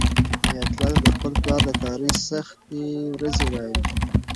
حیات الله ته د خپل پلار د کاري سختۍ ورځې رایادې شوې.